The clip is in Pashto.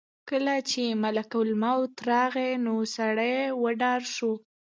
کله چې ملک الموت راغی نو سړی وډار شو.